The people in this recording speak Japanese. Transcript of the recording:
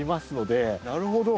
なるほど。